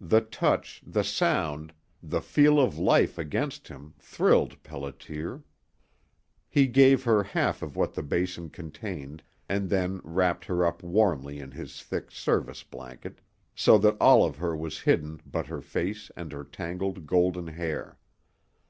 The touch, the sound, the feel of life against him thrilled Pelliter. He gave her half of what the basin contained, and then wrapped her up warmly in his thick service blanket, so that all of her was hidden but her face and her tangled golden hair.